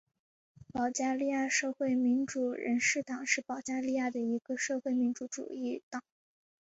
保加利亚社会民主人士党是保加利亚的一个社会民主主义政党。